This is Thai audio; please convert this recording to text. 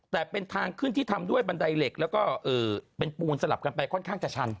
แต่เป็นทางขึ้นที่ทำด้วยบันไดเหล็กแล้วก็เป็นปูนสลับกันไปค่อนข้างจะชัน